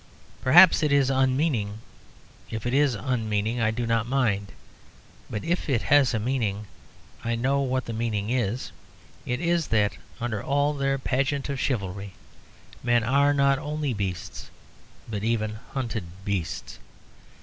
Perhaps it is unmeaning; if it is unmeaning I do not mind. But if it has a meaning I know what the meaning is; it is that under all their pageant of chivalry men are not only beasts, but even hunted beasts.